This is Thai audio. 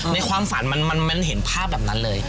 ในความฝันมันเห็นภาพแบบนั้นเลย